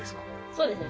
そうですね。